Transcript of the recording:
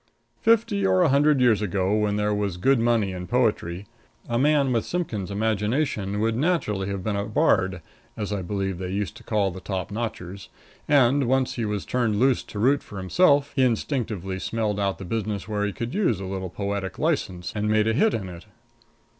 Fifty or a hundred years ago, when there was good money in poetry, a man with Simpkins' imagination would naturally have been a bard, as I believe they used to call the top notchers; and, once he was turned loose to root for himself, he instinctively smelled out the business where he could use a little poetic license and made a hit in it.